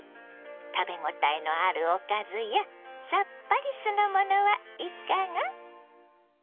食べ応えのあるおかずやさっぱり酢の物はいかが？